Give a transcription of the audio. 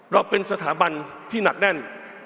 เราเป็นสถาบันที่หนักแน่น